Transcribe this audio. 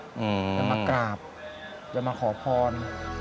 จะมากราบจะมาขอพร